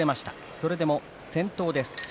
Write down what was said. それでも先頭です。